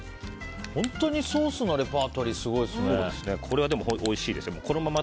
本当にソースのレパートリーすごいですね。